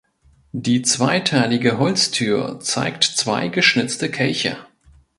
Die zweiteilige Holztür zeigt zwei geschnitzte Kelche.